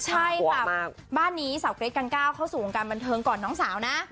ใช่ค่ะบ้านนี้สาวเกรทังก้าวเข้าสู่วงการบันเทิงก่อนน้องสาวนะ